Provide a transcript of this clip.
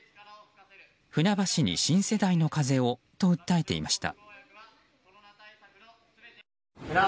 船橋に新世代の風をと訴えていました。